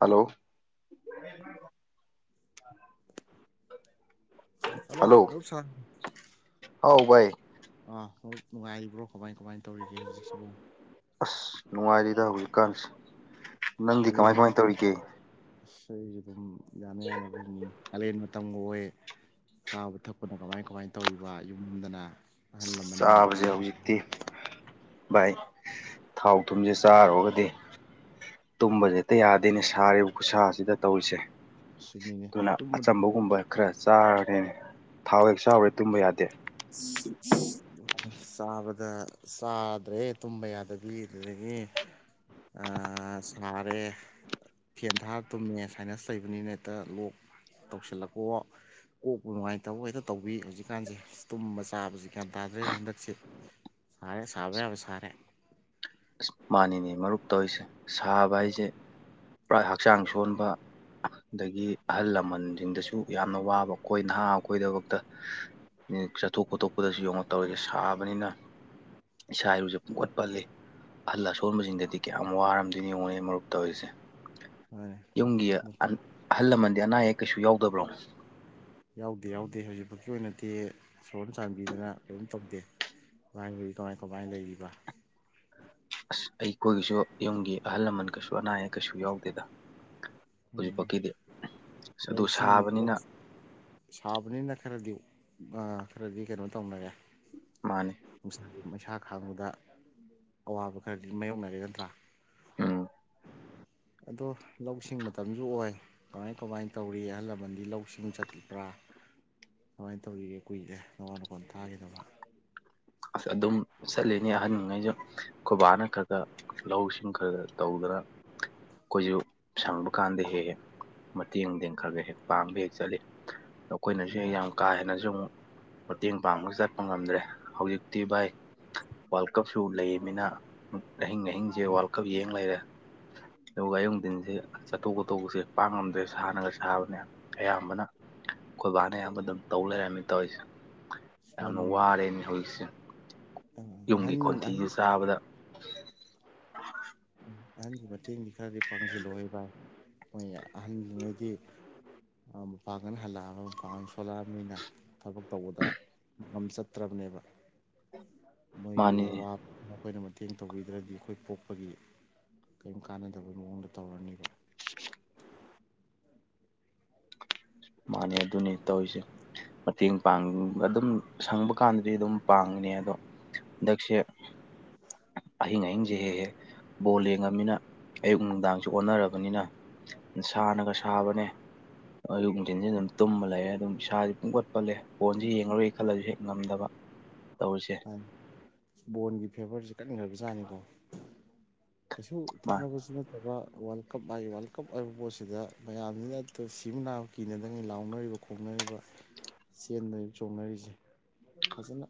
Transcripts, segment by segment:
Hello [inaudible] hello ꯑꯨꯞ ꯁꯥꯏ ꯍꯥꯎ ꯕꯥꯏ ꯑꯥ ꯍꯧꯔꯛ ꯅꯨꯡꯉꯥꯏꯔꯤꯕ꯭ꯔꯣ ꯀꯃꯥꯏ ꯀꯃꯥꯏꯅ ꯇꯧꯔꯤꯒꯦ ꯍꯧꯖꯤꯛꯁꯤꯕꯣ꯫ ꯑꯁ ꯅꯨꯡꯉꯥꯏꯔꯤꯗ ꯍꯧꯖꯤꯛꯀꯥꯟꯁꯦ꯫ ꯅꯪꯗꯤ ꯀꯥꯂꯦꯟ ꯀꯃꯥꯏ ꯀꯃꯥꯏ ꯇꯧꯔꯤꯒꯦ ꯑꯁ ꯑꯩꯁꯨꯦ ꯑꯗꯨꯝ ꯌꯥꯅ ꯌꯥꯅꯕ ꯍꯤꯡꯉꯤ꯫ ꯀꯥꯂꯦꯟ ꯃꯇꯝꯒ ꯑꯣꯏ ꯆꯥꯕ ꯊꯛꯄꯅ ꯀꯃꯥꯏ ꯀꯃꯥꯏꯅ ꯇꯧꯔꯤꯕ ꯌꯨꯝꯗꯅ꯫ ꯑꯍꯜ ꯂꯃꯟ ꯆꯥꯕꯁꯦ ꯌꯥꯄ ꯍꯧꯖꯤꯛꯇꯤ ꯚꯥꯏ ꯊꯥꯎ ꯊꯨꯝꯁꯦ ꯆꯥꯔꯨꯒꯗꯤ ꯇꯨꯝꯕꯁꯦ ꯍꯦꯛꯇꯥ ꯌꯥꯗꯦꯅꯦ ꯁꯥꯔꯤꯕ ꯈꯨꯠꯁꯥꯁꯤꯗ ꯇꯧꯔꯤꯁꯦ꯫ ꯁꯨꯃꯤꯅꯦ ꯑꯗꯨꯅ ꯇꯨꯝꯕꯗ ꯑꯆꯝꯕꯒꯨꯝꯕ ꯈꯔ ꯆꯥꯔꯤꯅꯦ ꯊꯥꯎ ꯍꯦꯛ ꯆꯥꯎꯔꯦ ꯇꯨꯝꯕ ꯌꯥꯗꯦ꯫ [unintelligible] ꯆꯥꯕꯗ ꯆꯥꯗ꯭ꯔꯦ ꯇꯨꯝꯕ ꯌꯥꯗꯕꯤ ꯑꯗꯨꯗꯒꯤ ꯑ ꯁꯔꯦ ꯐꯦꯟ ꯊꯥꯔ ꯇꯨꯝꯃꯦ ꯁꯥꯏꯅꯁ ꯂꯩꯕꯅꯤꯅ ꯍꯦꯛꯇ ꯂꯣꯛ ꯇꯧꯁꯜꯂꯛꯄꯣ ꯀꯣꯛꯄꯨ ꯅꯨꯡꯉꯥꯏꯇꯕ ꯍꯦꯛꯇ ꯇꯧꯕꯤ ꯍꯧꯖꯤꯛꯀꯥꯟꯁꯦ꯫ ꯇꯨꯝꯕ ꯆꯥꯕꯁꯤ ꯒ꯭ꯌꯥꯟ ꯇꯥꯗ꯭ꯔꯦꯅꯦ ꯍꯟꯗꯛꯁꯦ ꯁꯥꯔꯦ ꯁꯥꯕ ꯌꯥꯕ ꯁꯥꯔꯦ꯫ ꯃꯥꯅꯤꯅꯦ ꯃꯔꯨꯞ ꯇꯧꯔꯤꯁꯦ ꯁꯥꯕ ꯃꯇꯝ ꯍꯥꯏꯁꯦ ꯄꯨꯔꯥ ꯍꯛꯆꯥꯡ ꯁꯣꯟꯕ ꯑꯗꯒꯤ ꯑꯍꯜ ꯂꯃꯟꯗꯤꯡꯗꯁꯨ ꯌꯥꯝꯅ ꯋꯥꯕ ꯑꯈꯣꯏ ꯅꯍꯥ ꯑꯈꯣꯏꯗꯕꯣꯛꯇ ꯆꯠꯊꯣꯛ ꯈꯣꯠꯇꯣꯛꯄꯗꯁꯨ ꯌꯦꯡꯉꯣ ꯇꯧꯔꯤꯁꯦ ꯁꯥꯕꯅꯤꯅ ꯏꯁꯥ ꯏꯔꯨꯁꯦ ꯄꯨꯡꯈꯠꯄꯜꯂꯦ꯫ ꯑꯍꯜ ꯑꯁꯣꯟꯕꯖꯤꯡꯗꯗꯤ ꯀꯌꯥꯝ ꯋꯥꯔꯝꯗꯣꯏꯅꯣ ꯌꯦꯡꯅꯦ ꯃꯔꯨꯞꯇꯧꯔꯤꯁꯦ꯫ ꯑꯅꯦ ꯑꯍꯜ ꯂꯃꯟꯗꯤ ꯑꯅꯥ ꯑꯌꯦꯛ ꯀꯩꯁꯨ ꯌꯥꯎꯗꯕ꯭ꯔꯣ ꯌꯥꯎꯗꯦ ꯌꯥꯎꯗꯦ ꯍꯧꯖꯤꯛꯐꯥꯎꯀꯤ ꯑꯣꯏꯅꯗꯤ ꯁꯣꯔꯅ ꯆꯥꯟꯕꯤꯗꯅ ꯑꯗꯨꯝ ꯇꯧꯗꯦ꯫ [unintelligible] ꯀꯃꯥꯏ ꯀꯃꯥꯏꯅ ꯂꯩꯔꯤꯕ ꯑꯁ ꯑꯩꯈꯣꯏꯒꯤꯁꯨ ꯌꯨꯝꯒꯤ ꯑꯍꯜ ꯂꯃꯟ ꯀꯩꯁꯨ ꯑꯅꯥ ꯑꯌꯦꯛ ꯀꯩꯁꯨ ꯌꯥꯎꯗꯦꯗ꯫ ꯎꯝ ꯍꯧꯖꯤꯛꯐꯥꯎꯀꯤꯗꯤ ꯑ ꯑꯗꯨ ꯂꯧꯁꯤꯡ ꯁꯥꯕꯅꯤꯅ ꯁꯥꯕꯅꯤꯅ ꯈꯔꯗꯤ ꯈꯔꯗꯤ ꯀꯩꯅꯣ ꯇꯧꯅꯔꯦ ꯃꯥꯅꯦ ꯃꯩꯁꯥ ꯈꯥꯡꯕꯗ ꯑꯋꯥꯕ ꯈꯔꯗꯤ ꯃꯥꯥꯏꯌꯣꯛꯅꯔꯦꯒ ꯅꯠꯇ꯭ꯔꯥ ꯎꯝ ꯑꯗꯣ ꯂꯧꯁꯤꯡꯕꯗ ꯃꯇꯝꯁꯨ ꯑꯣꯏ ꯀꯃꯥꯏ ꯀꯃꯥꯏꯅ ꯇꯧꯔꯤ ꯑꯍꯜ ꯂꯃꯟꯗꯤ ꯂꯧꯁꯤꯡ ꯆꯠꯂꯤꯄ꯭ꯔꯥ ꯀꯃꯥꯏꯅ ꯇꯧꯔꯤꯒꯦ ꯀꯨꯏꯔꯦ ꯅꯋꯥꯣꯟ ꯅꯄꯣꯟ ꯊꯥꯈꯤꯗꯕ ꯑꯁ ꯑꯗꯨꯝ ꯆꯠꯂꯤꯅꯤ ꯑꯍꯟꯉꯩꯁꯨ ꯈꯨꯣꯏꯕꯥꯅ ꯈꯔ ꯈ ꯂꯧꯁꯤꯡ ꯈꯔ ꯈ ꯇꯧꯗꯅ [unintelligible] ꯑꯩꯈꯣꯏꯁꯨ ꯁꯪꯕ ꯀꯥꯟꯗ ꯍꯦꯛ ꯍꯦꯛ ꯃꯇꯦꯡꯗꯦꯡ ꯈꯔ ꯈꯔ ꯍꯦꯛ ꯄꯥꯡꯕ ꯍꯦꯛ ꯆꯠꯂꯤ ꯑꯩꯈꯣꯏꯅꯁꯨ ꯌꯥꯝ ꯀꯥ ꯍꯦꯟꯅꯁꯨ ꯑꯃꯨ ꯃꯇꯦꯡ ꯄꯥꯡꯕꯁꯨ ꯆꯠꯄ ꯉꯝꯗ꯭ꯔꯦ ꯍꯧꯖꯤꯛꯇꯤ ꯚꯥꯏ ꯋꯥꯔꯜ ꯀꯞꯁꯨ ꯂꯩꯃꯤꯅ ꯑꯍꯤꯡ ꯑꯍꯤꯡꯁꯦ ꯋꯥꯔꯜ ꯀꯞ ꯌꯦꯡ ꯂꯩꯔꯦ ꯑꯗꯨꯒ ꯑꯌꯨꯊꯤꯟꯁꯤꯦ ꯆꯠꯊꯣꯛ ꯆꯣꯠꯊꯣꯛꯁꯦ ꯄꯥꯝꯉꯝꯗ꯭ꯔꯦ ꯁꯥꯅꯒ ꯁꯥꯕꯅꯦ ꯑꯌꯥꯝꯕꯅ ꯑꯩꯈꯣꯏꯕꯥꯅ ꯑꯌꯥꯝꯕ ꯑꯗꯨꯝ ꯇꯧ ꯂꯩꯔꯝꯃꯤ ꯇꯧꯔꯤꯁꯦ ꯎꯝ ꯌꯥꯝꯅ ꯋꯥꯔꯦꯅꯦ ꯍꯧꯖꯤꯛꯁꯦ ꯌꯨꯝꯒꯤ ꯑꯍꯟ ꯑꯍꯟ ꯈꯣꯟꯊꯤꯁꯦ ꯆꯥꯕꯗ ꯑꯍꯟꯒꯤ ꯃꯇꯦꯡꯗꯤ ꯈꯔꯗꯤ ꯄꯥꯡꯁꯤꯜꯂꯨꯏꯕꯚ ꯃꯣꯏ ꯑꯍꯟꯜꯂꯤꯉꯩꯗꯤ ꯃꯄꯥꯡꯒꯅ ꯍꯜꯂꯛꯑꯕ ꯃꯄꯥꯡꯒꯜ ꯁꯣꯜꯂꯛꯑꯕꯅꯤꯅ ꯊꯕꯛ ꯇꯧꯕꯗ ꯃꯐꯝ ꯆꯠꯇ꯭ꯔꯕꯅꯦꯕ ꯃꯣꯏꯒꯤ ꯃꯥꯅꯤꯅꯦ ꯑꯋꯥꯕ ꯃꯈꯣꯏꯅ ꯃꯇꯦꯡ ꯇꯧꯕꯤꯗ꯭ꯔꯗꯤ ꯑꯩꯈꯣꯏ ꯄꯣꯛꯄꯒꯤ ꯀꯔꯤꯝ ꯀꯥꯟꯅꯗꯕꯩ ꯃꯑꯣꯡꯗ ꯇꯧꯔꯅꯤꯕ ꯃꯥꯅꯦ ꯑꯗꯨꯅꯦ ꯇꯧꯔꯤꯁꯦ ꯃꯇꯦꯡ ꯄꯥꯡ ꯑꯗꯨꯝ ꯁꯪꯕ ꯀꯥꯟꯗꯗꯤ ꯑꯗꯨꯝ ꯄꯥꯡꯉꯤꯅꯤ ꯑꯗꯣ ꯍꯟꯗꯛꯁꯦ ꯑꯍꯤꯡ ꯑꯍꯤꯡꯁꯦ ꯍꯦꯛꯍꯦ ꯕꯣꯜ ꯌꯦꯡꯉꯃꯤꯅ ꯑꯌꯨꯛ ꯅꯨꯡꯗꯥꯡꯁꯨ ꯑꯣꯟꯅꯔꯕꯅꯤꯅ ꯁꯥꯅꯒ ꯁꯥꯕꯅꯦ ꯑꯌꯨꯛ ꯑꯗꯨꯝ ꯇꯨꯝꯃ ꯂꯩꯔꯦ ꯑꯗꯨꯝ ꯏꯁꯥꯥꯁꯦ ꯄꯨꯡꯄꯠ ꯄꯠꯂꯦ ꯐꯣꯟꯁꯦ ꯌꯦꯡꯉꯔꯨ ꯈꯜꯂꯁꯨ ꯍꯦꯛ ꯉꯝꯗꯕ ꯇꯧꯔꯤꯁꯦ ꯕꯣꯜꯒꯤ ꯐꯦꯕꯔꯁꯤ ꯀꯟꯒ꯭ꯔꯕꯖꯥꯠꯅꯤꯀꯣ ꯀꯩꯁꯨ ꯃꯥ ꯊꯣꯛꯅꯕ ꯁꯤ ꯅꯠꯇꯕ ꯋꯥꯔꯜ ꯀꯞ ꯋꯥꯔꯜ ꯀꯞ ꯍꯥꯏꯕ ꯄꯣꯠꯁꯤꯗ ꯃꯌꯥꯝꯁꯤꯅ ꯁꯤꯕ ꯅꯥꯕ ꯀꯤꯅꯗꯉꯩ ꯂꯥꯎꯅꯔꯤꯕ ꯈꯣꯡꯅꯔꯤꯕ ꯆꯦꯟꯟꯅꯔꯤꯕ ꯆꯣꯡꯅꯔꯤꯁꯦ ꯐꯖꯅ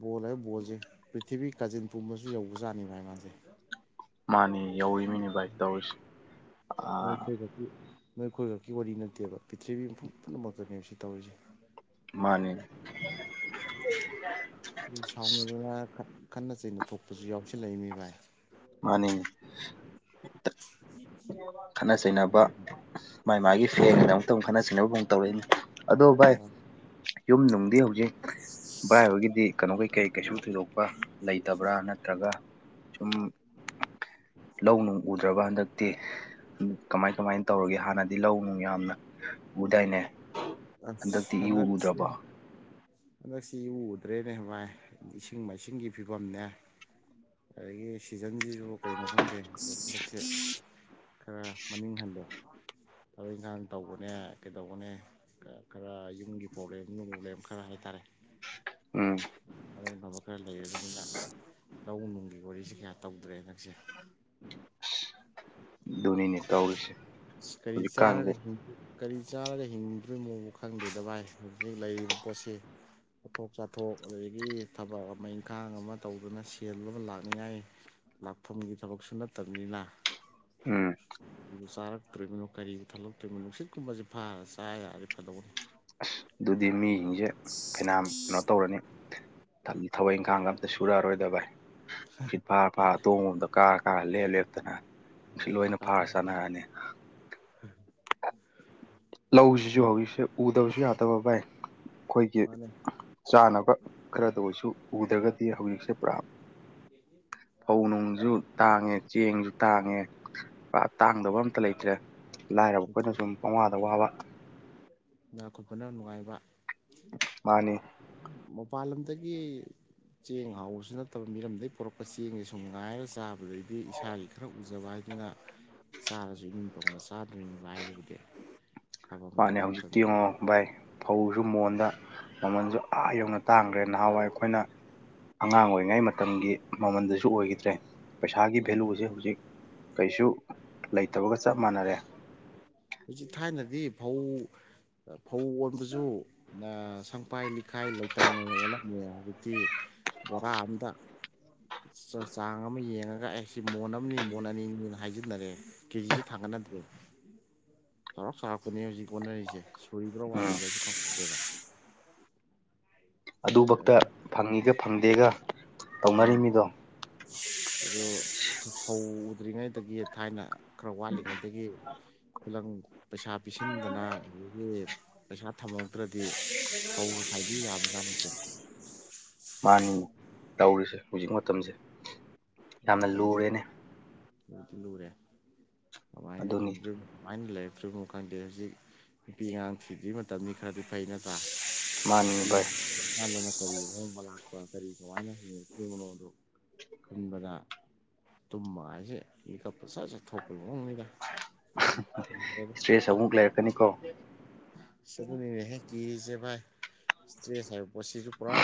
ꯕꯣꯜ ꯍꯥꯏꯕ ꯕꯣꯜꯁꯦ ꯄ꯭ꯔꯤꯊꯤꯕꯤ ꯀꯥꯖꯤꯟ ꯄꯨꯝꯕꯁꯨ ꯌꯧꯕꯖꯥꯠꯅꯤꯕ ꯍꯥꯏ ꯃꯥꯁꯦ ꯃꯥꯅꯤ ꯌꯧꯔꯤꯃꯤꯅꯤ ꯚꯥꯏ ꯇꯧꯔꯤꯁꯦ ꯑꯥ ꯃꯈꯣꯏ ꯅꯣꯏ ꯈꯣꯏꯈꯛꯀꯤ ꯋꯥꯔꯤ ꯅꯠꯇꯦꯕ ꯄ꯭ꯔꯤꯊꯤꯔꯤꯕꯤ ꯃꯐꯝ ꯄꯨꯝꯅꯃꯛꯇꯅꯦꯕ ꯁꯤ ꯇꯧꯔꯤꯁꯦ ꯃꯥꯅꯤ ꯁꯥꯎꯅꯗꯅ ꯈꯠꯅ ꯆꯩꯅ ꯊꯣꯛꯄꯁꯨ ꯌꯥꯎꯁꯤꯜꯂꯛꯏ ꯃꯤ ꯚꯥꯏ ꯃꯥꯅꯤ ꯈꯠꯅ ꯆꯩꯅꯕ ꯃꯥꯥꯏ ꯃꯥꯒꯤ ꯐꯦꯟꯒꯤꯗꯃꯛꯇ ꯑꯃꯨꯛ ꯈꯠꯅ ꯆꯩꯅꯕꯐꯥꯎ ꯇꯧꯔꯛꯏꯅꯤ ꯑꯗꯣ ꯚꯥꯏ ꯌꯨꯝ ꯅꯨꯡꯗꯤ ꯍꯧꯖꯤꯛ ꯚꯥꯏꯍꯣꯢꯒꯤꯗꯤ ꯀꯩꯅꯣ ꯀꯩꯀꯩ ꯀꯩꯁꯨꯝ ꯊꯣꯏꯗꯣꯛꯄ ꯂꯩꯇꯕ꯭ꯔꯥ ꯅꯠꯇ꯭ꯔꯒ ꯁꯨꯝ ꯂꯧ ꯅꯨꯡ ꯎꯗ꯭ꯔꯕ ꯍꯟꯗꯛꯇꯤ ꯀꯃꯥꯏ ꯀꯃꯥꯏꯅ ꯇꯧꯔꯒꯦ ꯍꯥꯟꯅꯗꯤ ꯂꯧ ꯅꯨꯡ ꯌꯥꯝꯅ ꯎꯗꯥꯏꯅꯦ ꯑꯁ ꯍꯟꯗꯛꯇꯤ ꯏꯎ ꯍꯟꯗꯛꯁꯤ ꯎꯗ꯭ꯔꯕꯣ ꯍꯟꯗꯛꯁꯤ ꯎꯗ꯭ꯔꯦꯅꯦ ꯚꯥꯏ ꯏꯁꯤꯡ ꯃꯥꯏꯁꯤꯡꯒꯤ ꯐꯤꯕꯝꯅꯦ ꯑꯗꯒꯤ ꯁꯤꯖꯟꯁꯤꯁꯨ ꯀꯩꯅꯣ ꯈꯪꯗꯦ ꯈꯔ ꯃꯅꯤꯡ ꯍꯟꯂꯦ ꯊꯕꯛ ꯏꯪꯈꯥꯡ ꯇꯧꯕꯅꯦ ꯀꯩꯗꯧꯕꯅꯦ ꯈꯔ ꯌꯨꯝꯒꯤ ꯄ꯭ꯔꯣꯕ꯭ꯂꯦꯝ ꯅꯨꯡ ꯄ꯭ꯔꯣꯕ꯭ꯂꯦꯝ ꯈꯔ ꯍꯥꯏꯇꯥꯔꯦ ꯎꯝ ꯈꯔ ꯂꯩꯔꯦ ꯑꯗꯨꯅ ꯂꯧ ꯅꯨꯡꯒꯤ ꯋꯥꯔꯤꯁꯦ ꯀꯌꯥ ꯇꯧꯗ꯭ꯔꯦ ꯍꯟꯗꯛꯁꯦ ꯗꯨꯅꯤꯅꯦ ꯇꯧꯔꯤꯁꯦ ꯀꯔꯤ ꯆꯥꯔꯒ ꯍꯧꯖꯤꯛꯀꯥꯟꯁꯦ ꯀꯔꯤ ꯆꯥꯔꯒ ꯍꯤꯡꯗ꯭ꯔꯤꯅꯣꯕꯨ ꯈꯪꯗꯦꯗ ꯚꯥꯏ ꯍꯧꯖꯤꯛ ꯂꯩꯔꯤꯕ ꯄꯣꯠꯁꯤ ꯄꯣꯠꯊꯣꯛ ꯆꯥꯊꯣꯛ ꯑꯗꯒꯤ ꯊꯕꯛ ꯑꯃ ꯏꯪꯈꯥꯡ ꯑꯃ ꯇꯧꯗꯨꯅ ꯁꯦꯜꯂꯕ ꯂꯥꯛꯅꯤꯡꯉꯥꯏ ꯂꯥꯛꯐꯝꯒꯤ ꯊꯕꯛꯁꯨ ꯅꯠꯇꯕꯅꯤꯅ ꯎꯝ ꯑꯗꯨ ꯆꯥꯔꯛꯇ꯭ꯔꯤꯕꯅꯣ ꯀꯔꯤꯕꯨ ꯊꯜꯂꯛꯇꯣꯢꯅꯣ ꯅꯨꯁꯤꯠꯀꯨꯝꯕꯁꯤ ꯐꯥꯔꯒ ꯆꯥ ꯌꯥꯔꯗꯤ ꯐꯗꯧꯅꯤ ꯑꯁ ꯑꯗꯨꯗꯤ ꯃꯤꯁꯤꯡꯁꯦ ꯐꯩꯅꯥꯝ ꯀꯩꯅꯣ ꯇꯧꯔꯅꯤ ꯊꯕꯛ ꯏꯪꯈꯥꯡ ꯑꯝꯇ ꯁꯨꯔꯛꯑꯔꯣꯏꯗ ꯚꯥꯏ ꯅꯨꯡꯁꯤꯠ ꯐꯥꯔ ꯐꯥꯔ ꯇꯣꯡꯕꯝꯗ ꯀꯥꯔ ꯀꯥꯔ ꯂꯦꯞ ꯂꯦꯞꯇꯅ ꯅꯨꯡꯁꯤꯠ ꯑꯌꯥ ꯂꯣꯏꯅ ꯐꯥꯔ ꯀꯥꯊꯣꯛꯑ ꯆꯥꯟꯅꯔꯅꯤ ꯂꯧꯁꯤꯁꯨ ꯍꯧꯖꯤꯛꯁꯦ ꯎꯗꯕꯁꯨ ꯌꯥꯗꯕ ꯚꯥꯏ ꯑꯩꯈꯣꯏꯒꯤ ꯃꯥꯅꯦ ꯆꯥꯅꯕ ꯈꯔꯗ ꯑꯣꯏꯁꯨ ꯎꯗ꯭ꯔꯒꯗꯤ ꯍꯧꯖꯤꯛꯁꯦ ꯄꯨꯔꯥ ꯐꯧ ꯅꯨꯡꯁꯨ ꯇꯥꯡꯉꯦ ꯆꯦꯡꯁꯨ ꯇꯥꯡꯉꯦ ꯇꯥꯡꯗꯕ ꯑꯝꯇ ꯂꯩꯇ꯭ꯔꯦ ꯂꯥꯏꯔꯕ ꯑꯩꯈꯣꯏꯅ ꯁꯨꯝ ꯄꯪꯋꯥꯗ ꯋꯥꯕ ꯏꯅꯥꯛ ꯈꯨꯟꯕꯅ ꯅꯨꯡꯉꯥꯏꯕ ꯃꯥꯅꯤ ꯃꯄꯥꯟ ꯂꯝꯗꯒꯤ ꯆꯦꯡ ꯍꯥꯎꯕꯁꯨ ꯅꯠꯇꯕ ꯃꯤꯔꯝꯗꯒꯤ ꯄꯨꯔꯛꯄ ꯆꯦꯡꯁꯦ ꯁꯨꯝ ꯉꯥꯏꯔꯒ ꯆꯥꯕꯗꯩꯗꯤ ꯏꯁꯥꯒꯤ ꯈꯔ ꯎꯖꯕ ꯍꯥꯏꯗꯨꯅ ꯆꯥꯔꯁꯨ ꯊꯕꯛ ꯑꯃ ꯃꯥꯅꯦ ꯇꯧꯕ ꯍꯧꯖꯤꯛꯇꯤ ꯃꯇꯝꯗ ꯌꯦꯡꯉꯣ ꯚꯥꯏ ꯐꯧꯁꯨ ꯃꯣꯟꯗ ꯃꯃꯜꯁꯨ ꯑꯥ ꯌꯧꯅ ꯇꯥꯡꯈ꯭ꯔꯦ ꯅꯍꯥꯟꯋꯥꯏ ꯑꯩꯈꯣꯏꯅ ꯑꯉꯥꯡ ꯑꯣꯏꯔꯤꯉꯩ ꯃꯇꯝꯒꯤ ꯃꯃꯟꯗꯁꯨ ꯑꯣꯏꯈꯤꯗ꯭ꯔꯦ ꯄꯩꯁꯥꯒꯤ ꯋꯥꯅꯤ꯫ ꯚꯦꯂꯨꯁꯦ ꯍꯧꯖꯤꯛ ꯀꯩꯁꯨ ꯂꯩꯇꯕꯒ ꯆꯞ ꯃꯥꯟꯅꯔꯦ ꯍꯧꯖꯤꯛ ꯊꯥꯏꯅꯗꯤ ꯐꯧ ꯐꯧ ꯑꯣꯟꯕꯁꯨ ꯁꯪꯄꯥꯏ ꯈꯥꯏ ꯂꯥꯢꯇꯪꯒ ꯍꯧꯖꯤꯛꯇꯤ ꯕꯣꯔꯥ ꯑꯝꯗ ꯆꯥꯡ ꯑꯃ ꯌꯦꯡꯉꯒ ꯑꯩꯁ ꯁꯤ ꯃꯣꯟ ꯑꯃꯅꯤ ꯃꯣꯟ ꯑꯅꯤꯅ ꯍꯥꯏꯖꯤꯟꯅꯔꯦ ꯀꯦꯖꯤꯁꯨ ꯊꯥꯡꯒꯠꯅꯗ꯭ꯔꯦ ꯆꯥꯎꯔꯥꯛ ꯆꯥꯎꯔꯛꯄꯅꯦ ꯍꯧꯖꯤꯛ ꯍꯣꯠꯅꯔꯤꯁꯦ ꯁꯨꯔꯤꯕ꯭ꯔꯥ ꯎꯝ ꯋꯥꯠꯂꯤꯕ꯭ꯔꯥꯁꯨ ꯈꯪꯗꯦꯕ꯫ ꯑꯗꯨꯕꯛꯇ ꯑꯩꯈꯣꯏ ꯐꯪꯉꯤꯒ ꯐꯪꯗꯦꯒ ꯇꯧꯅꯔꯤꯝꯃꯤꯗꯣ꯫ ꯑꯗꯨ ꯐꯧꯗ꯭ꯔꯤꯉꯩꯗꯒꯤ ꯊꯥꯏꯅ ꯈꯔ ꯋꯥꯠꯂꯤꯉꯩꯗꯒꯤ ꯈꯨꯂꯪ ꯄꯩꯁꯥ ꯄꯤꯁꯤꯟꯗꯅ꯫ ꯑꯗꯒꯤ ꯄꯩꯁꯥ ꯊꯝꯍꯧꯗ꯭ꯔꯗꯤ ꯐꯧꯒ ꯈꯥꯏꯕꯤꯌꯨ ꯌꯥꯕꯖꯥꯠꯅꯠꯇꯦꯗ꯫ ꯃꯥꯅꯤ ꯇꯧꯔꯤꯁꯦ ꯍꯧꯖꯤꯛ ꯃꯇꯝꯁꯦ꫰꫰ ꯌꯥꯝꯅ ꯃꯇꯝꯁꯤ ꯂꯨꯔꯦꯅꯦ ꯂꯨꯗꯤ ꯂꯨꯔꯦ ꯀꯃꯥꯏꯅ ꯑꯗꯨꯅꯤ ꯍꯤꯡꯗꯣꯏꯝ꯫ ꯃꯥꯏꯅ ꯂꯩꯔꯛꯇ꯭ꯔꯤꯕꯣ ꯈꯪꯗꯦ ꯍꯧꯖꯤꯛ ꯅꯨꯄꯤ ꯑꯉꯥꯡ ꯊꯤꯗ꯭ꯔꯤ ꯃꯇꯝꯁꯤ ꯈꯔꯗꯤ ꯐꯩ ꯃꯥꯅꯤ ꯅꯠꯇ꯭ꯔꯥꯅ꯫ ꯚꯥꯏ ꯃꯥꯗꯅ ꯀꯔꯤ ꯑꯍꯣꯡꯕ ꯂꯥꯛꯄ ꯀꯔꯤ ꯀꯃꯥꯏꯅ ꯍꯤꯡꯉꯥꯛꯇꯣꯏꯕꯅꯣꯗꯨ꯫ ꯈꯟꯕꯗ ꯇꯨꯝꯕ ꯍꯥꯏꯁꯦ ꯃꯤꯀꯞꯀ ꯁꯠ ꯁꯠ ꯊꯣꯛꯄꯩ ꯃꯑꯣꯡꯅꯤꯗ꯫ ꯏꯁꯇ꯭ꯔꯦꯁ ꯑꯃꯨꯛ ꯂꯩꯔꯛꯀꯅꯤꯀꯣ꯫ ꯑꯁ ꯑꯗꯨꯅꯤꯅꯦꯍꯦ ꯀꯔꯤꯁꯦ ꯕꯥꯏ ꯏꯁꯇ꯭ꯔꯦꯁ ꯍꯥꯏ ꯄꯣꯠ ꯁꯤꯁꯨ ꯄꯨꯔꯥ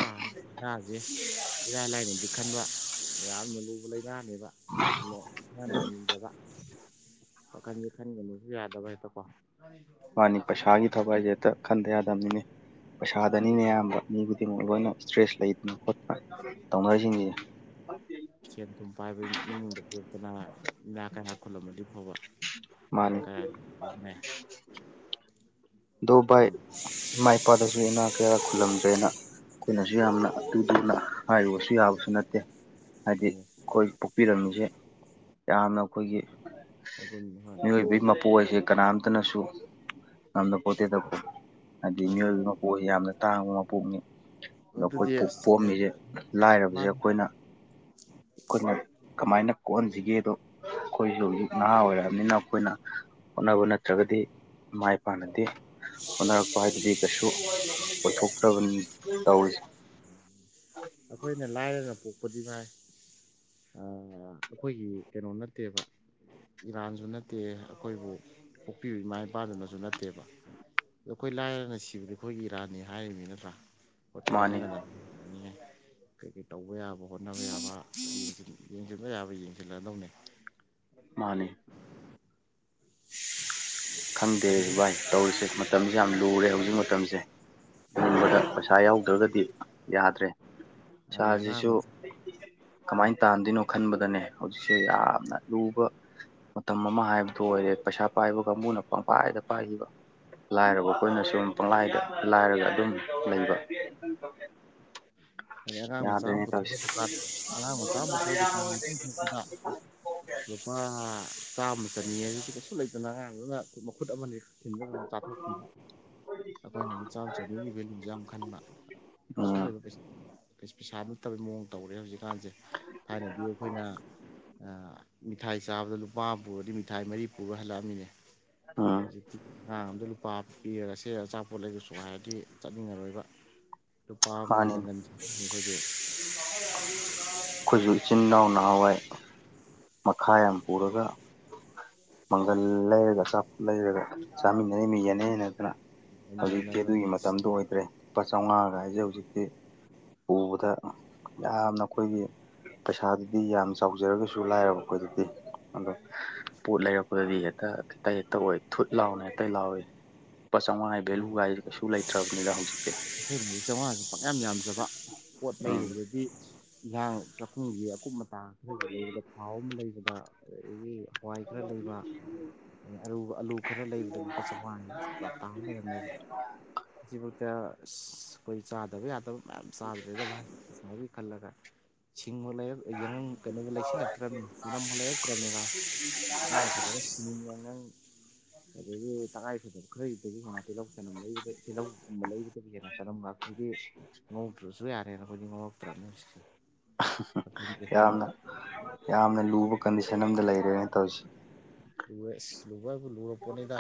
[unintelligible] ꯏꯔꯥꯏ ꯂꯥꯏꯅꯗꯤ ꯈꯟꯕ ꯌꯥꯝꯅ ꯂꯨꯕ ꯂꯩꯅꯅꯤꯕ꯫ ꯋꯥꯈꯟꯁꯦ ꯈꯟꯒꯅꯁꯨ ꯌꯥꯗꯕ ꯍꯦꯛꯇꯀꯣ꯫ ꯃꯥꯅꯤ ꯄꯩꯁꯥ ꯄꯟꯒꯤ ꯊꯥꯕꯛ ꯍꯥꯏꯁꯦ ꯍꯦꯛꯇ ꯈꯟꯗ ꯌꯥꯗꯕꯅꯤꯅꯦ ꯄꯩꯁꯥꯗꯅꯤꯅꯦ ꯑꯩꯈꯣꯏꯅ ꯑꯌꯥꯝꯕ ꯃꯤ ꯈꯨꯗꯤꯡꯃꯛ ꯂꯣꯏꯅ ꯏꯁꯇ꯭ꯔꯦꯁ ꯂꯩ ꯈꯣꯠꯄ ꯇꯧꯅꯔꯤꯁꯤꯡꯁꯤ꯫ ꯁꯦꯟ ꯊꯨꯝ ꯄꯥꯏꯕꯒꯤ ꯏꯃꯨꯡꯗ ꯂꯦꯛꯇꯅ ꯢꯅꯥꯛ ꯀꯩꯔꯥꯛ ꯈꯨꯜꯂꯝꯃꯗꯤ ꯐꯥꯕ꯫ ꯏꯅ ꯃꯥꯅꯤ ꯀꯩꯔꯥꯛ ꯅꯦ ꯑꯗꯣ ꯚꯥꯏ ꯏꯃꯥ ꯏꯄꯥꯗꯁꯨ ꯏꯅꯥꯛ ꯀꯩꯔꯥꯛ ꯈꯨꯜꯂꯝꯗ꯭ꯔꯦꯅ ꯑꯩꯈꯣꯏꯅꯁꯨ ꯌꯥꯝꯅ ꯇꯨ ꯇꯨꯅ ꯍꯥꯏꯔꯨꯕꯁꯨ ꯌꯥꯕꯁꯨ ꯅꯠꯇꯦ꯫ ꯍꯥꯏꯗꯤ ꯃꯥꯅꯦ ꯑꯩꯈꯣꯏ ꯄꯣꯛꯄꯤꯔꯝꯃꯤꯁꯦ ꯌꯥꯝꯅ ꯑꯩꯈꯣꯏꯒꯤ ꯃꯒꯨꯟ ꯍꯣꯏ ꯃꯒꯨꯟ ꯃꯤꯑꯣꯏꯕꯒꯤ ꯂꯩ ꯃꯄꯣꯛꯁꯦ ꯀꯅꯥꯝꯇꯅꯁꯨ ꯌꯥꯝꯅ ꯄꯣꯠꯇꯦꯗ ꯍꯥꯏꯗꯤ ꯃꯥꯅꯦ ꯃꯤꯑꯣꯏꯕꯒꯤ ꯃꯥꯅꯦ ꯃꯄꯣꯛ ꯑꯁꯤ ꯌꯥꯝꯅ ꯇꯥꯡꯕ ꯃꯄꯣꯛꯅꯤ꯫ ꯑꯗꯣ ꯑꯩꯈꯣꯏ ꯑꯗꯨꯗꯤ ꯄꯣꯛ ꯄꯣꯛ ꯑꯁ ꯑꯃꯃꯤꯁꯦ ꯂꯥꯏꯔꯕꯁꯦ ꯃꯥꯅꯤ ꯑꯩꯈꯣꯏꯅ꯫ ꯑꯩꯈꯣꯏꯅ ꯀꯃꯥꯏꯅ ꯀꯣꯛꯍꯟꯁꯤꯒꯦꯗꯣ ꯑꯩꯈꯣꯏꯁꯨ ꯍꯧꯖꯤꯛ ꯅꯍꯥ ꯑꯣꯏꯔꯛ ꯑꯝꯅꯤꯅꯥ ꯑꯩꯈꯣꯏꯅ ꯍꯣꯠꯅꯕ ꯅꯠꯇ꯭ꯔꯒꯗꯤ ꯃꯥꯏ ꯄꯥꯛꯅꯗꯦ꯫ ꯍꯣꯠꯅꯔꯛꯄ ꯍꯥꯏꯕꯗꯤ ꯀꯩꯁꯨ ꯑꯣꯏꯊꯣꯛꯇ꯭ꯔꯕꯅꯤ ꯇꯧꯔꯤꯁ ꯑꯩꯈꯣꯏꯅ ꯂꯥꯏꯔꯅ ꯄꯣꯛꯄꯗꯤ ꯉꯥꯏ ꯑꯩꯈꯣꯏꯒꯤ ꯀꯩꯅꯣ ꯅꯠꯇꯦꯕ꫰꫰ ꯏꯔꯥꯟꯁꯨ ꯅꯠꯇꯦ ꯑꯩꯈꯣꯏꯕꯨ ꯄꯣꯛꯄꯤꯌꯨ ꯏꯃꯥ ꯏꯄꯥꯗꯨꯅꯁꯨ ꯅꯠꯇꯦꯕ꯫ ꯃꯈꯣꯏ ꯂꯥꯏꯔꯅ ꯁꯤꯕꯗꯤ ꯑꯩꯈꯣꯏꯒꯤ ꯏꯔꯥꯅꯤ ꯍꯥꯏꯔꯤꯕꯃꯤ ꯅꯠꯇ꯭ꯔꯥ ꯍꯣꯠꯇꯤ ꯃꯥꯅꯤ ꯍꯣꯠꯅꯒꯗ꯫ ꯀꯩ ꯀꯩ ꯇꯧꯕ ꯌꯥꯕ ꯍꯣꯠꯅꯕ ꯌꯥꯕ ꯌꯦꯡꯁꯤꯟꯕ ꯌꯥꯕ ꯌꯦꯡꯁꯤꯜꯂꯗꯧꯅꯦ꯫ ꯃꯥꯅꯤ꯫ [unintelligible] ꯈꯪꯗꯦ ꯃꯇꯝꯁꯤꯡ ꯚꯥꯏ ꯇꯧꯔꯤꯁꯦ ꯃꯇꯝꯁꯦ ꯌꯥꯝ ꯂꯨꯔꯦ ꯍꯧꯖꯤꯛ ꯃꯇꯝꯁꯦ꫰꫰ [unintelligible] ꯍꯤꯡꯕꯗ ꯄꯩꯁꯥ ꯌꯥꯎꯗ꯭ꯔꯒꯗꯤ ꯌꯥꯗ꯭ꯔꯦ꫰꫰ ꯃꯥꯅꯦ ꯑꯉꯥꯡ ꯄꯩꯁꯤꯁꯨ ꯃꯆꯥ ꯎꯝ ꯀꯃꯥꯏꯅ ꯇꯥꯟꯗꯣꯏꯅꯣ ꯈꯟꯕꯗꯅꯦ ꯍꯧꯖꯤꯛꯁꯦ ꯌꯥꯝꯅ ꯂꯨꯕ ꯃꯇꯝ ꯑꯃ ꯍꯥꯏꯕꯗꯨ ꯑꯣꯏꯔꯦꯗ ꯄꯩꯁꯥ ꯄꯥꯏꯕ ꯀꯥꯡꯕꯨꯅ ꯄꯪꯄꯥꯏꯗ ꯄꯥꯏꯈꯤꯕ ꯂꯥꯏꯔꯕ ꯑꯩꯈꯣꯏꯅ ꯁꯨꯝ ꯄꯪꯂꯥꯏꯗ ꯂꯥꯏꯔꯒ ꯑꯗꯨꯝ ꯂꯩꯕ꯫ ꯑꯗꯩ ꯑꯉꯥꯡ ꯃꯆꯥ ꯑꯃ ꯌꯥꯗ꯭ꯔꯦꯅꯦ ꯄꯨꯊꯣꯛꯑ ꯇꯧꯔꯤ ꯁꯦ꯫ ꯗꯨꯀꯥꯟ ꯑꯉꯥꯡ ꯃꯆꯥ ꯑꯃ ꯄꯨꯊꯣꯛꯑ ꯗꯨꯀꯥꯟ ꯉꯥꯛꯇꯪ ꯊꯣꯛꯄꯗ [unintelligible] ꯂꯨꯄꯥ ꯆꯥꯝꯃ ꯆꯅꯤ ꯍꯥꯏꯁꯤ ꯀꯩꯁꯨ ꯂꯩꯇꯅ ꯑꯉꯥꯡꯗꯨꯅ ꯃꯈꯨꯠ ꯑꯃꯅꯤ ꯊꯤꯟꯗ ꯑꯗꯨꯝ ꯆꯥꯊꯣꯛꯄꯤꯕ ꯑꯩꯈꯣꯏꯅꯗꯤ ꯆꯥꯛ ꯆꯥꯕꯒꯤ ꯚꯦꯂꯨꯁꯦ ꯌꯥꯝ ꯈꯟꯕ꯫ ꯀꯩꯁꯨ ꯎꯝ ꯂꯩꯕ ꯄꯩꯁꯥ ꯅꯠꯇꯕꯩ ꯃꯑꯣꯡ ꯇꯧꯔꯦ ꯍꯧꯖꯤꯛꯀꯥꯟꯁꯦ꫰꫰ ꯊꯥꯏꯅꯗꯤ ꯑꯩꯈꯣꯏꯅ ꯃꯤꯊꯥꯏ ꯆꯥꯕꯗ ꯂꯨꯄꯥ ꯄꯨꯔꯗꯤ ꯃꯤꯊꯥꯏ ꯃꯔꯤ ꯄꯨꯔ ꯍꯜꯂꯛꯑꯃꯤꯅꯦ ꯎꯝ ꯍꯧꯖꯤꯛꯇꯤ ꯑꯉꯥꯡ ꯑꯝꯗ ꯂꯨꯄꯥ ꯄꯤꯔꯒꯁꯦ ꯑꯆꯥꯄꯣꯠ ꯂꯩꯒꯁꯨ ꯍꯥꯏꯔꯗꯤ ꯆꯠꯅꯤꯡꯉꯔꯣꯏꯕ ꯂꯨꯄꯥ ꯑꯃꯒꯤ ꯃꯥꯅꯤꯅꯦ ꯃꯪꯒꯟ ꯑꯩꯈꯣꯏꯒꯤ ꯑꯩꯈꯣꯏꯁꯨ ꯏꯆꯤꯟ ꯏꯅꯥꯎ ꯅꯍꯥꯟꯋꯥꯏ ꯃꯈꯥ ꯌꯥꯝ ꯄꯨꯔꯒ ꯃꯪꯒꯜ ꯂꯩꯔꯒ ꯑꯆꯥꯄꯣꯠ ꯂꯩꯔꯒ ꯆꯥꯃꯤꯟꯅꯔꯤ ꯃꯤ ꯌꯥꯅꯦꯅ ꯑꯗꯨꯅ ꯍꯧꯖꯤꯛꯇꯤ ꯌꯦꯟꯅꯗꯅ ꯑꯗꯨꯒꯤ ꯃꯇꯝꯗꯨꯣ ꯑꯣꯏꯗ꯭ꯔꯦ ꯂꯨꯄꯥ ꯆꯥꯃꯉꯥꯒ ꯍꯥꯏꯁꯦ ꯍꯧꯖꯤꯛꯇꯤ ꯄꯨꯕꯗ ꯌꯥꯝꯅ ꯑꯩꯈꯣꯏꯒꯤ ꯄꯩꯁꯥꯗꯨꯗꯤ ꯌꯥꯝ ꯆꯥꯎꯖꯔꯒꯁꯨ ꯂꯥꯏꯔꯕ ꯑꯩꯈꯣꯏꯗꯗꯤ ꯑꯗꯣ ꯄꯣꯠ ꯂꯩꯔꯛꯄꯗꯗꯤ ꯍꯦꯛꯇ ꯈꯤꯇ ꯍꯦꯛꯇ ꯑꯣꯏ ꯊꯨꯠ ꯂꯥꯎꯅ ꯍꯦꯛꯇ ꯂꯥꯎꯏ ꯂꯨꯄꯥ ꯆꯝꯉꯥꯍꯥꯏ ꯚꯂꯨ ꯍꯥꯏ ꯁ ꯂꯩꯇ꯭ꯔꯕ ꯍꯧꯖꯤ ꯑꯩꯈꯣꯏꯨꯝꯕ ꯆꯥꯝꯉꯥꯁꯨ ꯄ ꯌꯥꯝ ꯌꯥꯝꯖꯕ ꯄꯣꯠ ꯎꯝ ꯂꯩꯔꯨꯕꯗ ꯁꯤ ꯌꯦꯟꯖꯥꯡ ꯆꯥꯛꯈꯨꯝꯒꯤ ꯑꯀꯨꯞ ꯃꯇꯇꯥ ꯈꯔꯒꯤ ꯂꯩꯕꯗ ꯊꯥꯎ ꯑꯃ ꯂꯩꯕꯗ ꯑꯗꯒꯤ ꯍꯋꯥꯏ ꯈꯔ ꯂꯩꯕ ꯑꯨ ꯑꯥꯂꯨ ꯈꯔ ꯂꯩꯕꯗ ꯂꯨꯄꯥ ꯆꯥꯝꯃꯉꯥꯅꯤ ꯂꯇꯥꯥ ꯑꯃ ꯑꯣꯏꯔꯝꯃꯦꯕ ꯍꯧꯖꯤꯐꯛꯇ ꯑꯩꯈꯣꯏ ꯆꯥꯗꯕ ꯌꯥꯗꯕ ꯃꯌꯥꯝ ꯆꯥꯗ꯭ꯔꯦꯗꯕ ꯑꯃꯥꯏꯒꯤ ꯈꯜꯂꯒ ꯁꯤꯡꯕꯔ ꯌꯥꯏꯉꯪ ꯀꯩꯅꯣꯗ ꯂꯩꯁꯤꯜꯂꯛꯇ꯭ꯔꯕꯅꯤ ꯆꯅꯝꯐ ꯂꯩꯔꯛꯇ꯭ꯔꯕꯅꯤꯕ ꯥꯇꯥꯪꯉꯥꯏ ꯐꯗꯔ꯭ꯗꯤ ꯁꯤꯃꯤꯅꯤ ꯌꯥꯏ ꯉꯪ ꯑꯗꯒꯤ ꯇꯉꯥꯏꯐꯗꯕ ꯈꯔꯗꯒꯤ ꯉ ꯇꯤꯜꯍꯧ ꯆꯅꯝ ꯂꯩꯕ ꯇꯤꯜꯍꯧꯒꯨꯝꯕ ꯂꯩ ꯀꯔꯤꯒꯤꯅ ꯀꯔꯝꯕ ꯑꯩꯈꯣꯏꯗꯤ ꯉꯧꯗ꯭ꯔꯁꯨ ꯌꯥꯔꯦꯅ ꯑꯩꯈꯣꯏꯗꯤ ꯉꯧꯔꯛꯇ꯭ꯔꯕꯅꯤꯅ ꯍꯧꯖꯤꯛꯦ [unintelligible] [unintelligible] ꯌꯥꯝꯅ ꯌꯥꯝꯅ ꯂꯨꯕ ꯀꯟꯗꯤꯁꯟ ꯑꯝꯗ ꯂꯩꯔꯦꯅ ꯇꯧꯔꯤꯁꯦ ꯂꯨꯋꯦꯁ ꯂꯨꯕ ꯍꯥꯏꯕꯨ ꯂꯨꯔꯄꯣꯠꯅꯤꯗ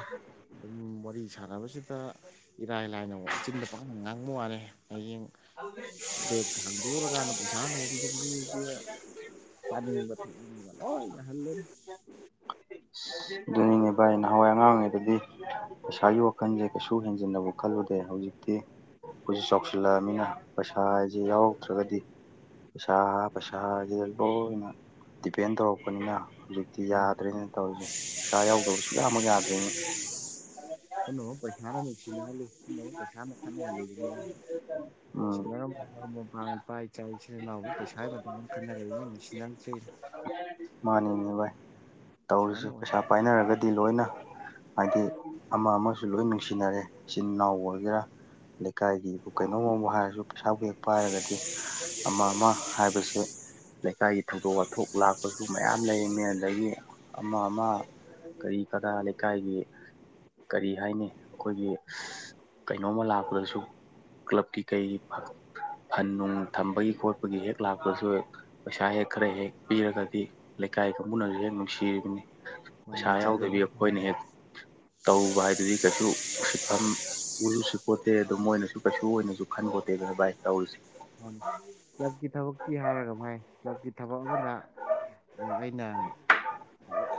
ꯑꯗꯨꯝ ꯋꯥꯔꯤ ꯁꯥꯟꯅꯕꯁꯤꯗ ꯏꯔꯥꯏ ꯂꯥꯏꯅꯃꯨ ꯆꯤꯟꯗ ꯄꯥꯉꯥꯡ ꯉꯥꯡꯕ ꯋꯥꯅꯦ ꯍꯌꯦꯡ ꯕꯦꯛ ꯊꯥꯡꯗꯣꯛꯎꯔ ꯀꯥꯟꯗ ꯄꯩꯁꯥ [unintelligible] ꯆꯥꯅꯤꯡꯕ ꯊꯛꯅꯤꯡꯕ ꯂꯣꯏ ꯌꯥꯍꯟꯗꯣꯏꯅꯤ ꯑꯗꯨꯅꯤꯅꯦ ꯕꯥꯏ ꯅꯍꯥꯟꯋꯥꯏ ꯑꯉꯥꯡꯉꯩꯗꯗꯤ ꯄꯩꯁꯥꯒꯤ ꯋꯥꯈꯟꯁꯦ ꯀꯩꯁꯨ ꯍꯦꯟꯖꯤꯟꯅꯕꯕꯨ ꯈꯜꯂꯨꯗꯦ ꯍꯧꯖꯤꯛꯇꯤ ꯑꯩꯈꯣꯏꯁꯨ ꯆꯥꯎꯁꯤꯜꯂꯛꯑꯝꯅꯤꯅ ꯄꯩꯁꯥ ꯍꯥꯏꯁꯦ ꯌꯥꯎꯇ꯭ꯔꯒꯗꯤ ꯄꯩꯁꯥ ꯄꯩꯁꯥ ꯖꯤꯗ ꯂꯣꯏꯅ ꯗꯤꯄꯦꯟ ꯇꯧꯔꯛꯄꯅꯤꯅ ꯍꯧꯖꯤꯛꯇꯤ ꯌꯥꯗ꯭ꯔꯦꯅ ꯇꯧꯔꯤꯁꯦ ꯄꯩꯥꯁꯥ ꯌꯥꯎꯗꯕ ꯁꯨꯌꯥꯃꯛ ꯌꯥꯗ꯭ꯔꯦꯅꯤ ꯄꯨꯝꯅꯃꯛ ꯄꯩꯁꯥꯅ ꯅꯨꯡꯁꯤꯅꯍꯜꯂꯤ ꯄꯨꯝꯅꯃꯛ ꯄꯩꯁꯥ ꯈꯠꯅꯍꯜꯂꯤꯗꯨꯅꯤꯗꯅ ꯎꯝ [unintelligible] [unintelligible] ꯃꯥꯅꯤꯅꯦ ꯚꯥꯏ ꯄꯩꯁꯥꯅ ꯇꯧꯔꯤꯁꯦ ꯑꯣꯏ ꯄꯩꯁꯥ ꯄꯥꯏꯅꯔꯒꯗꯤ ꯂꯣꯏꯅ ꯍꯥꯏꯗꯤ ꯑꯃ ꯑꯃꯁꯨ ꯂꯣꯏ ꯅꯨꯡꯁꯤꯅꯔꯦ ꯏꯆꯤꯟ ꯏꯅꯥꯎ ꯑꯣꯏꯒꯦꯔꯥ ꯂꯩꯀꯥꯏꯒꯤꯕꯨ ꯀꯩꯅꯣꯝꯃꯕꯨ ꯍꯥꯏꯔꯁꯨ ꯄꯩꯁꯥꯕꯨ ꯌ꯫ꯍꯦꯛ ꯄꯥꯏꯔꯒꯗꯤ ꯑꯃ ꯑꯃ ꯍꯥꯏꯕꯁꯦ ꯂꯩꯀꯥꯏꯒꯤ ꯊꯧꯗꯣꯛ ꯋꯥꯊꯣꯛ ꯂꯥꯛꯄꯁꯨ ꯃꯌꯥꯝ ꯂꯩꯔꯤꯃꯦ ꯑꯗꯒꯤ ꯑꯃ ꯑꯃ ꯀꯔꯤ ꯀꯔꯥ ꯂꯩꯀꯥꯏꯒꯤ ꯀꯔꯤ ꯍꯥꯏꯅꯤ ꯑꯩꯈꯣꯏꯒꯤ ꯀꯩꯅꯣꯝꯃ ꯂꯥꯛꯄꯗꯁꯨ ꯀ꯭ꯂꯕꯀꯤ ꯀꯩꯒꯤ ꯐ ꯐꯟ ꯅꯨꯡ ꯊꯝꯕꯒꯤ ꯈꯣꯠꯄꯒꯤ ꯍꯦꯛ ꯂꯥꯛꯄꯁꯨ ꯄꯩꯁꯥ ꯍꯦꯛ ꯈꯔ ꯍꯦꯛ ꯄꯤꯔꯒꯗꯤ ꯂꯩꯀꯥꯏ ꯀꯥꯡꯕꯨꯅꯁꯨ ꯍꯦꯛ ꯅꯨꯡꯁꯤꯔꯤꯕꯅꯤ ꯄꯩꯁꯥ ꯃꯥꯅꯤ ꯌꯥꯎꯗꯕꯤ ꯖꯜꯕꯦꯕꯥ ꯑꯩꯈꯣꯏꯅ ꯍꯦꯛ ꯇꯧꯕ ꯍꯥꯏꯗꯨꯗꯤ ꯀꯩꯁꯨ ꯎꯁꯤꯠꯐꯝ ꯎꯔꯨꯁꯨꯁꯤꯠꯄꯣꯟꯇꯦ ꯑꯗꯨ ꯃꯣꯏꯅꯁꯨ ꯀꯩꯁꯨ ꯑꯣꯏꯅꯁꯨ ꯈꯟ ꯄꯣꯠꯇꯦ ꯑꯗꯨꯅ ꯕꯥꯏ ꯇꯧꯔꯤꯁꯦ ꯀ꯭ꯂꯕꯀꯤ ꯊꯕꯛꯀꯤ ꯍꯥꯏꯔꯒ ꯃꯥꯏ ꯀ꯭ꯂꯕꯀꯤ ꯊꯕꯛ ꯑꯃꯅ ꯑꯩꯅ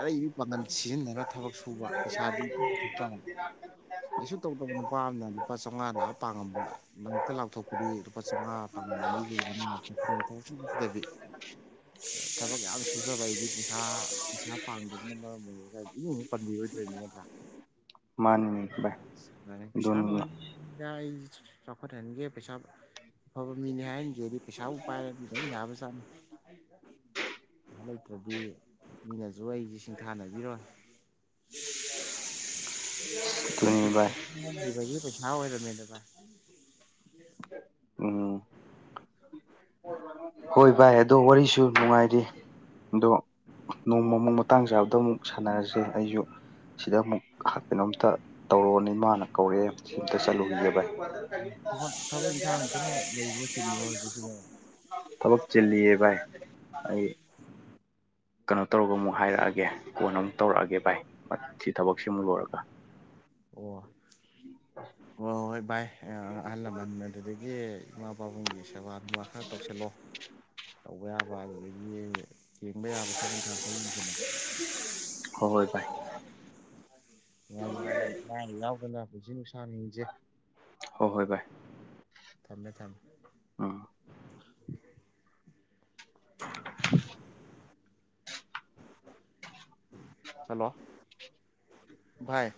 ꯑꯩ ꯄꯥꯡꯒꯟ ꯁꯤꯖꯤꯟꯅꯔꯒ ꯊꯕꯛ ꯁꯨꯕ ꯄꯩꯁꯥꯗꯤ ꯏꯄꯨ ꯄꯨꯊꯣꯛꯇꯕ ꯀꯩꯁꯨ ꯇꯧꯗꯕ ꯅꯨꯄꯥ ꯑꯃꯅ ꯂꯨꯄꯥ ꯆꯧꯉꯥ ꯂꯥꯛꯑ ꯄꯥꯡꯉꯝꯕ ꯃꯥꯏꯞꯇ ꯂꯥꯎꯊꯣꯛꯄꯗꯤ ꯂꯨꯄꯥ ꯆꯧꯉꯥ [unintelligible] ꯊꯕꯛ ꯌꯥꯝ ꯁꯨꯖꯕ ꯑꯩꯗꯤ ꯄꯩꯁꯥ ꯄꯩꯁꯥ ꯄꯥꯡꯗꯕꯅ ꯃꯔꯝ ꯑꯣꯏꯔꯒ ꯑꯩ [unintelligible] ꯃꯥꯅꯤꯅꯦ ꯚꯥꯏ ꯄꯩꯁꯥꯅ ꯑꯗꯨꯅꯤꯅꯦ ꯑꯣꯏꯍꯟ ꯌꯥꯏ ꯆꯥꯎꯈꯠꯍꯟꯒꯦ ꯄꯩꯁꯥ ꯑꯐꯕ ꯃꯤꯅꯤ ꯍꯥꯏꯍꯟꯒꯦꯗꯤ ꯄꯩꯁꯥꯕꯨ ꯄꯥꯏꯔꯗꯤ ꯑꯗꯨꯝ ꯌꯥꯕꯖꯥꯠꯅꯤ ꯄꯩꯁꯥ ꯂꯩꯇ꯭ꯔꯗꯤ ꯃꯤꯅꯖꯨ ꯑꯩꯖꯦ ꯁꯤꯡꯊꯥꯅꯕꯤꯔꯣꯏ ꯑꯗꯨꯅꯤ ꯕꯥꯏ ꯅꯨꯡꯁꯤꯕꯖꯨ ꯄꯩꯁꯥ ꯑꯣꯏꯔꯝꯃꯦꯗꯅ ꯎꯝ ꯍꯣꯏ ꯚꯥꯏ ꯑꯗꯣ ꯋꯥꯔꯤꯁꯨ ꯅꯨꯡꯉꯥꯏꯔꯤ ꯑꯗꯣ ꯅꯣꯡꯃꯃꯨꯛ ꯃꯇꯥꯡ ꯆꯥꯕꯗ ꯑꯃꯨꯛ ꯁꯥꯟꯅꯔꯖꯦ ꯑꯩꯖꯨ ꯁꯤꯗ ꯑꯃꯨꯛ ꯀꯩꯅꯣꯝꯇ ꯇꯧꯔꯛꯑꯣꯅ ꯏꯃꯥꯅ ꯀꯧꯔꯛꯑꯦ ꯁꯤ ꯑꯝꯇ ꯆꯠꯂꯨꯒꯤꯒꯦ ꯚꯥꯏ ꯊꯕꯛ ꯊꯕꯛ ꯏꯟꯈꯥꯡ ꯈꯔ ꯂꯩꯕ꯭ꯔꯣ ꯆꯤꯟꯕ꯭ꯔꯣ ꯍꯧꯖꯤꯛꯁꯤꯕꯣ ꯊꯕꯛ ꯆꯤꯜꯂꯤꯌꯦ ꯚꯥꯏ ꯑꯩ ꯀꯩꯅꯣ ꯇꯧꯔꯒ ꯑꯃꯨꯛ ꯍꯥꯏꯔꯛꯑꯒꯦ ꯀꯣꯟ ꯑꯃꯨꯛ ꯇꯧꯔꯛꯑꯒꯦ ꯚꯥꯏ ꯁꯤ ꯊꯕꯛꯁꯤ ꯑꯃꯨꯛ ꯂꯣꯏꯔꯒ ꯑꯣ ꯍꯣ ꯍꯣꯏ ꯚꯥꯏ ꯑ ꯑꯍꯜ ꯂꯃꯟ ꯑꯗꯨꯗꯒꯤ ꯏꯃꯥ ꯄꯥꯕꯨꯡꯒꯤ ꯁꯦꯕꯥ ꯕ ꯈꯔ ꯇꯧꯁꯤꯜꯂꯣ ꯇꯧꯕ ꯌꯥꯕ ꯑꯗꯨꯗꯒꯤ ꯌꯦꯡꯕ ꯌꯥꯕ ꯊꯕꯛ ꯏꯟꯈꯥꯡ ꯈꯔ ꯌꯦꯡꯖꯤꯜꯂꯣ ꯍꯣꯏ ꯍꯣꯏ ꯚꯥꯏ ꯅꯨꯡꯉꯥꯏ ꯅꯨꯡꯉꯥꯏꯅ ꯑꯅꯥꯥ ꯑꯌꯦꯛ ꯌꯥꯎꯗꯅ ꯄꯨꯟꯁꯤ ꯅꯨꯡ ꯁꯥꯡꯅ ꯍꯤꯡꯖꯤ ꯍꯣꯏ ꯍꯣꯏ ꯚꯥꯏ ꯊꯝꯃꯦ ꯊꯝꯃꯦ ꯑ [unintelligible] ꯍꯜꯂꯣ ꯚꯥꯏ